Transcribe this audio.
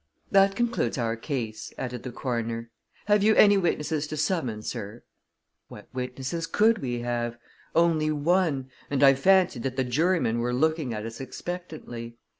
"That concludes our case," added the coroner. "Have you any witnesses to summon, sir?" What witnesses could we have? Only one and I fancied that the jurymen were looking at us expectantly.